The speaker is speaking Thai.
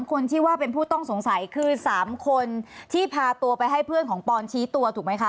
คนที่ว่าเป็นผู้ต้องสงสัยคือ๓คนที่พาตัวไปให้เพื่อนของปอนชี้ตัวถูกไหมคะ